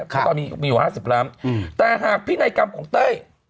เพราะตอนนี้มีอยู่๕๐ล้านแต่หากพินัยกรรมของเต้ย